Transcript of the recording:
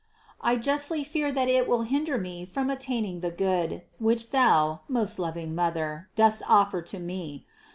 I justly fear that it will hinder me from attaining the good which Thou, most loving Mother, dost offer to me.